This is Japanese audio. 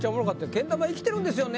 「けん玉生きてるんですよね」